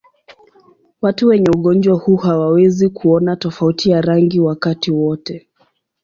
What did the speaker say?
Watu wenye ugonjwa huu hawawezi kuona tofauti ya rangi wakati wote.